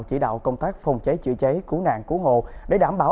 chỉ đạo công tác phòng cháy chữa cháy cứu nạn cứu hộ để đảm bảo